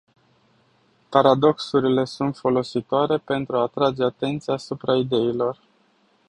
Paradoxurile sunt folositoare pentru a atrage atenția asupra ideilor.